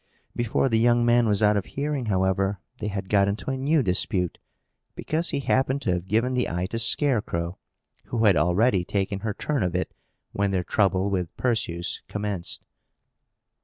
Before the young man was out of hearing, however, they had got into a new dispute, because he happened to have given the eye to Scarecrow, who had already taken her turn of it when their trouble with Perseus commenced.